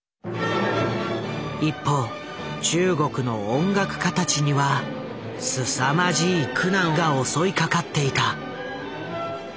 一方中国の音楽家たちにはすさまじい苦難が襲いかかっていた。